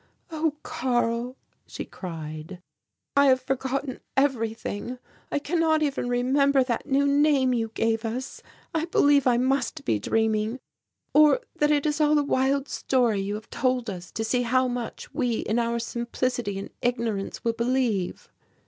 "Oh, Karl," she cried, "I have forgotten everything I cannot even remember that new name you gave us I believe I must be dreaming or that it is all a wild story you have told us to see how much we in our simplicity and ignorance will believe."